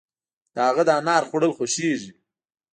د هغه د انار خوړل خوښيږي.